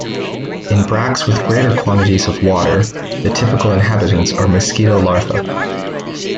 In bracts with greater quantities of water the typical inhabitants are mosquito larva.